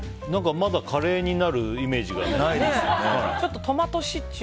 まだカレーになるイメージがないですけどね。